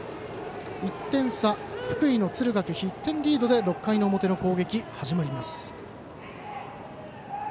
１点差、福井の敦賀気比１点リードで６回表の攻撃が始まります。